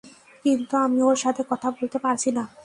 কিন্তু আমি ওর সাথে কথা বলতে পারছি না।